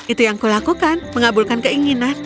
itu yang kulakukan mengabulkan keinginan